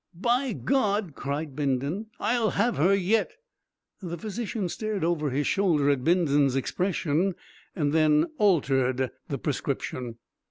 "By God!" cried Bindon; "I'll have her yet." The physician stared over his shoulder at Bindon's expression, and then altered the prescription.